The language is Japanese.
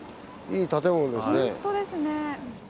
いい建物ですね。